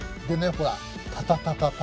ほらタタタタタ